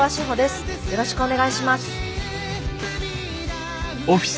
よろしくお願いします。